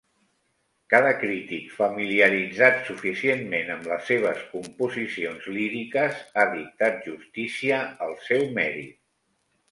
Cada crític familiaritzat suficientment amb les seves composicions líriques ha dictat justícia al seu mèrit.